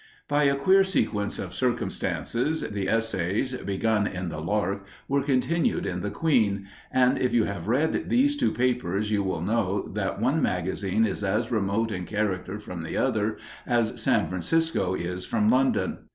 By a queer sequence of circumstances, the essays, begun in the Lark, were continued in the Queen, and, if you have read these two papers, you will know that one magazine is as remote in character from the other as San Francisco is from London.